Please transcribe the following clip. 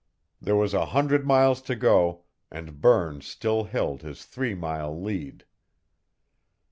There was a hundred miles to go, and Burns still held his three mile lead.